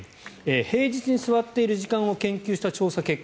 平日に座っている時間を研究した調査結果。